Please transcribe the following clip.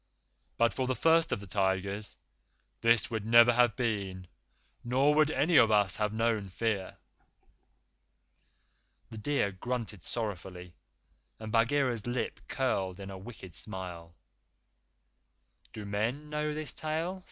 But for the First of the Tigers, this would never have been, nor would any of us have known fear." The deer grunted sorrowfully and Bagheera's lips curled in a wicked smile. "Do men know this tale?"